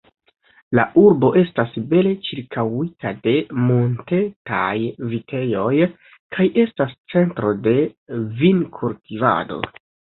La urbo estas bele ĉirkaŭita de montetaj vitejoj, kaj estas centro de vinkultivado.